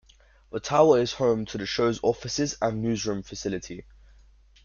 The tower is home to the show's offices and newsroom facility.